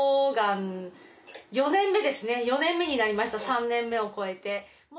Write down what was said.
３年目を越えて。